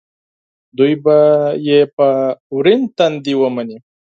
دوی به یې په ورین تندي ومني.